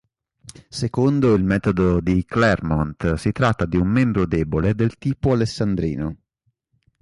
Secondo il metodo di Claremont, si tratta di un membro debole del tipo alessandrino.